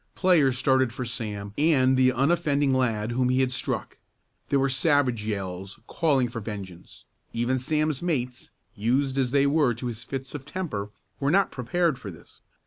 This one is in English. Players started for Sam and the unoffending lad whom he had struck. There were savage yells, calling for vengeance. Even Sam's mates, used as they were to his fits of temper, were not prepared for this.